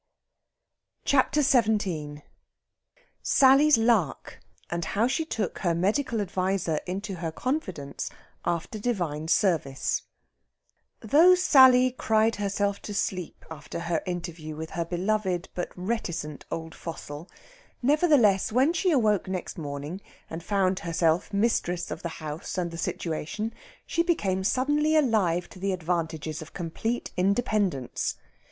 CHAPTER XVII SALLY'S LARK. AND HOW SHE TOOK HER MEDICAL ADVISER INTO HER CONFIDENCE AFTER DIVINE SERVICE Though Sally cried herself to sleep after her interview with her beloved but reticent old fossil, nevertheless, when she awoke next morning and found herself mistress of the house and the situation, she became suddenly alive to the advantages of complete independence.